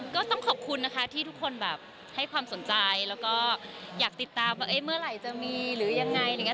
ก็ต้องขอบคุณนะคะที่ทุกคนแบบให้ความสนใจแล้วก็อยากติดตามว่าเมื่อไหร่จะมีหรือยังไงอะไรอย่างนี้